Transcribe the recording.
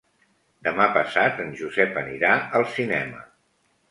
Demà passat en Josep anirà al cinema.